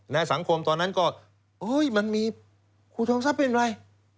แล้วสังคมตอนนั้นก็มันมีครูจอมซับเป็นอะไร